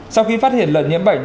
sau khi phát hiện lợn nhiễm bệnh